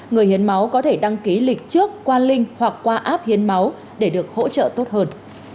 người hiến máu có thể đăng ký lịch trước qua linh hoặc qua app hiến máu để được hỗ trợ tốt hơn